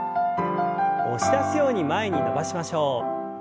押し出すように前に伸ばしましょう。